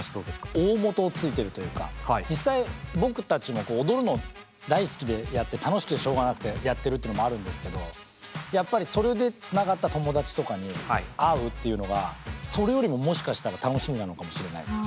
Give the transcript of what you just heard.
大本をついてるというか実際僕たちも踊るの大好きでやって楽しくてしょうがなくてやってるっていうのもあるんですけどやっぱりそれでつながった友達とかに会うっていうのがそれよりももしかしたら楽しみなのかもしれない。